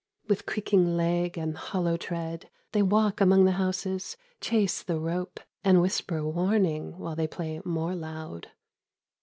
With creaking leg and hollow tread They walk among the houses, chase the rope, And whisper warning while they play more loud.